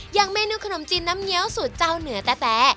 อย่างเมนูขนมจีนน้ำเงี้ยวสูตรเจ้าเหนือแต๊ะ